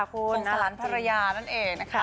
คุณสลันภรรยานั่นเองนะคะ